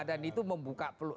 dan itu membuka peluk